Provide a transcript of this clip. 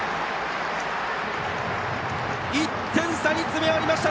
１点差に詰め寄りました